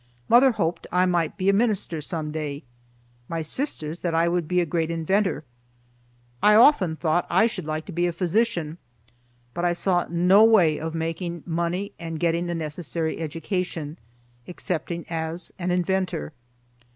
Mother hoped I might be a minister some day; my sisters that I would be a great inventor. I often thought I should like to be a physician, but I saw no way of making money and getting the necessary education, excepting as an inventor.